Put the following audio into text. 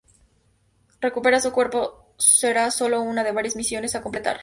Recuperar su cuerpo será sólo una de varias misiones a completar.